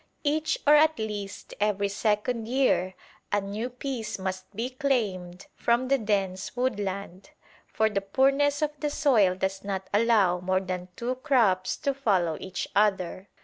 Each or at least every second year a new piece must be claimed from the dense woodland, for the poorness of the soil does not allow more than two crops to follow each other.